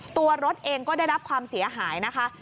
ตัวรถเองก็ได้รับความเสียหายนะคะ